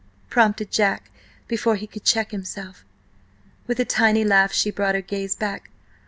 prompted Jack before he could check himself. With a tiny laugh she brought her gaze back.